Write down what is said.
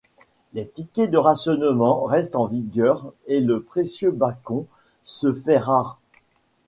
Les tickets de rationnement restent en vigueur et le précieux bacon se fait rare.